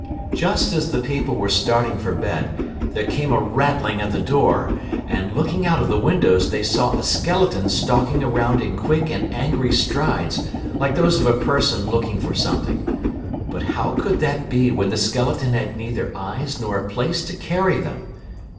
Just as the people were starting for bed, there came a rattling at the door, and, looking out of the windows, they saw a skeleton stalking around in quick and angry strides, like those of a person looking for something. But how could that be when the skeleton had neither eyes nor a place to carry them?